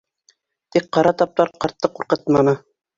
Тик ҡара таптар ҡартты ҡурҡытманы.